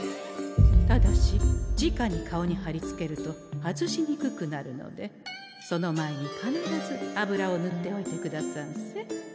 ただしじかに顔に貼り付けると外しにくくなるのでその前に必ず油をぬっておいてくださんせ。